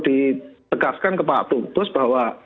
ditegaskan kepada pak tungkus bahwa